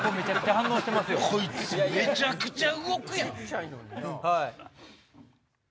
こいつめちゃくちゃ動くやん！